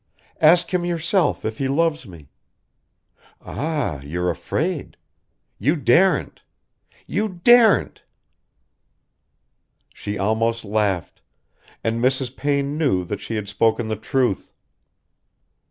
Ask him yourself if he loves me... Ah, you're afraid. You daren't. You daren't!" She almost laughed, and Mrs. Payne knew that she had spoken the truth.